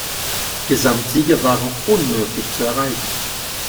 Gesamtsiege waren unmöglich zu erreichen.